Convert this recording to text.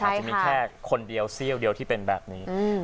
จะมีแค่คนเดียวเสี้ยวเดียวที่เป็นแบบนี้